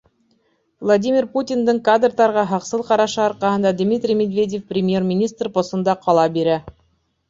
Владимир Путиндың кадрҙарға һаҡсыл ҡарашы арҡаһында Дмитрий Медведев Премьер-министр посында ҡала бирә.